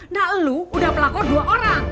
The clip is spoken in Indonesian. nah lu udah pelakor dua orang